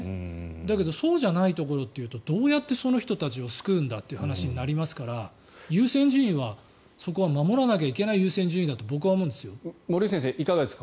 だけどそうじゃないところというとどうやってその人たちを救うんだという話になりますからそこは守らなきゃいけない優先順位だと森内先生、いかがですか？